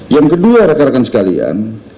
yang kedua rakan rakan sekalian